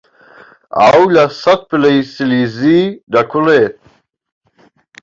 ئاو لە سەد پلەی سیلیزی دەکوڵێت.